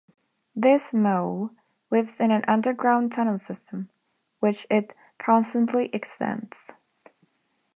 This mole lives in an underground tunnel system, which it constantly extends.